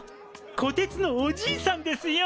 こてつのおじいさんですよ。